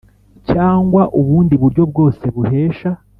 Cyangwa ubundi buryo bwose buhesha